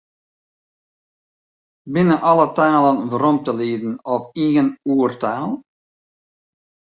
Binne alle talen werom te lieden op ien oertaal?